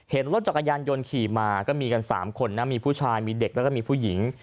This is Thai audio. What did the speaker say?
เห็นรถจักรยานยนต์ขี่มาก็มีกัน๓คนนะมีผู้ชายมีเด็กแล้วก็มีผู้หญิง